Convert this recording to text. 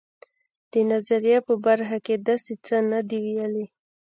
د نظریې په برخه کې داسې څه نه دي ویلي.